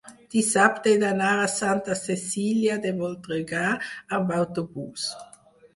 dissabte he d'anar a Santa Cecília de Voltregà amb autobús.